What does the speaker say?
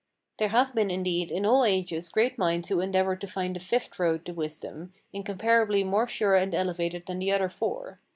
There have been, indeed, in all ages great minds who endeavoured to find a fifth road to wisdom, incomparably more sure and elevated than the other four.